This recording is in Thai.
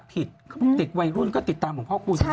ผิดเด็กวัยรุ่นก็ติดตามหลวงพ่อคูณอยู่นี้